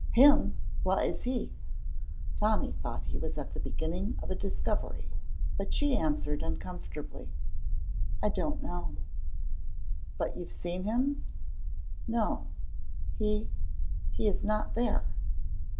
"Him! Wha is he?" Tommy thought he was at the beginning of a discovery, but she answered, uncomfortably, "I don't know." "But you've seen him?" "No, he he is not there."